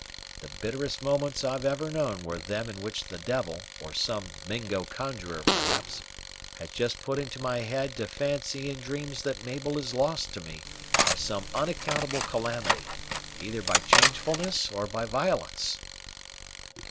The bitterest moments I've ever known were them in which the devil, or some Mingo conjuror, perhaps, has just put into my head to fancy in dreams that Mabel is lost to me by some unaccountable calamity either by changefulness or by violence."